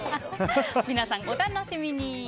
皆さん、お楽しみに。